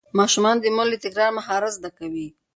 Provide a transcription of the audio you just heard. ماشوم د مور له تکرار مهارت زده کوي.